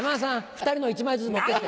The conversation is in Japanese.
２人の１枚ずつ持ってって。